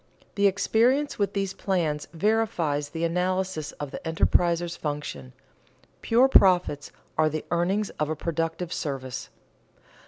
_The experience with these plans verifies the analysis of the enterpriser's function: pure profits are the earnings of a productive service.